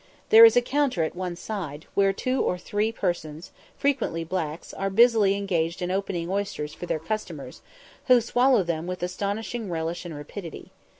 There is a counter at one side, where two or three persons, frequently blacks, are busily engaged in opening oysters for their customers, who swallow them with astonishing relish and rapidity.